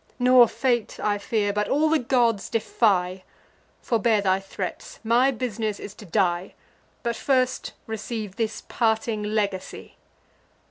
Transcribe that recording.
Nor fate I fear, but all the gods defy. Forbear thy threats: my bus'ness is to die; But first receive this parting legacy."